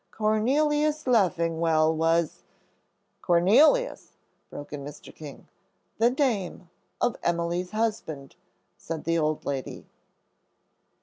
Cornelius Leffingwell was " "Cornelius?" broke in Mr. King. "The name of Emily's husband," said the old lady.